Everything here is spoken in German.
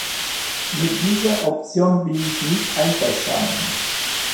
Mit dieser Option bin ich nicht einverstanden.